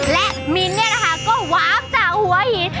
และมินเนี่ยนะคะก็วาฟจากหัวหิน